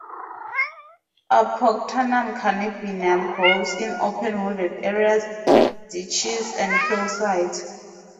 "Apocynum cannabinum" grows in open wooded areas, ditches, and hillsides.